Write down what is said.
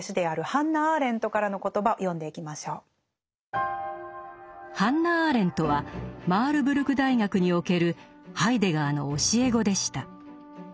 ハンナ・アーレントはマールブルク大学におけるハイデガーの教え子でした。